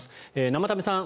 生田目さん